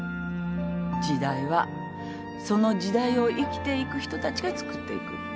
時代はその時代を生きていく人たちがつくっていく。